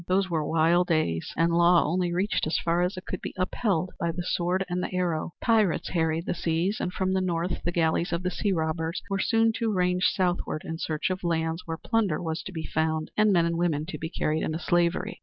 Those were wild days, and law only reached as far as it could be upheld by the sword and the arrow. Pirates harried the seas and from the north the galleys of the sea robbers were soon to range southward in search of lands where plunder was to be found and men and women to be carried into slavery.